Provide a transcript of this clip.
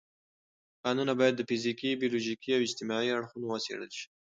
کانونه باید فزیکي، بیولوژیکي او اجتماعي اړخونه وڅېړل شي.